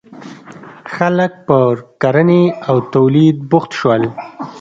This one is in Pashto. • خلک پر کرنې او تولید بوخت شول.